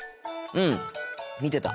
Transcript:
うん見てた。